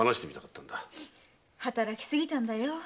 働きすぎたんだよ。